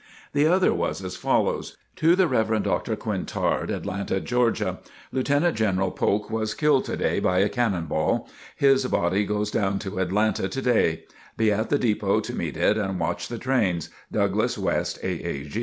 The other was as follows: "To the Rev. Dr. Quintard, Atlanta, Georgia. Lieutenant General Polk was killed to day by a cannon ball. His body goes down to Atlanta to day. Be at the depot to meet it and watch the trains. Douglass West, A. A.